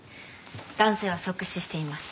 男性は即死しています。